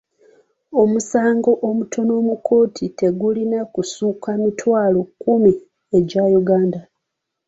Omusango omutono mu kkooti tegulina kusukka mitwalo kkumi egya Uganda.